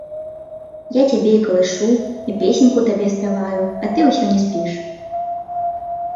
Я цябе і калышу і песеньку табе спяваю, а ты ўсё не спіш.